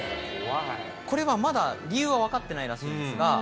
これはまだ理由は分かってないらしいんですが。